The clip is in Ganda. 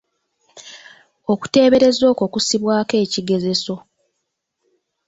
Okuteebereza okwo kussibwako ekigezeso.